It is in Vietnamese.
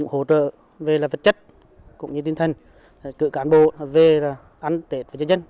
hỗ trợ về vật chất cũng như tinh thần cựu cán bộ về ăn tết với dân